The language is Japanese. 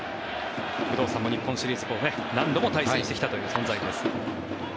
工藤さんも日本シリーズ何度も対戦してきたという存在です。